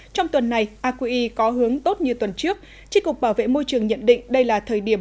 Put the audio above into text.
trong tuần này aqi có hướng tốt như tuần trước tri cục bảo vệ môi trường nhận định đây là thời điểm